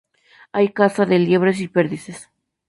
Hay caza de liebres y perdices.